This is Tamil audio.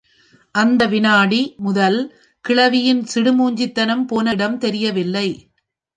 அந்த வினாடி முதல் கிழவியின் சிடுமூஞ்சித்தனம் போன இடம் தெரியவில்லை.